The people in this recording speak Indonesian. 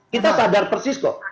kita sadar persis kok